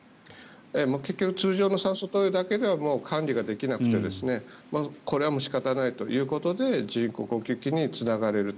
結局通常の酸素投与だけでは管理ができなくてこれは仕方がないということで人工呼吸器につながれると。